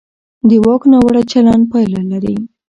د واک ناوړه چلند پایله لري